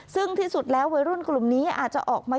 ซึ่งที่สุดแล้ววัยรุ่นกลุ่มนี้อาจจะออกมา